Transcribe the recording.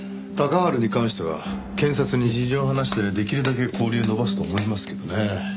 鷹春に関しては検察に事情を話してできるだけ勾留を延ばすと思いますけどね。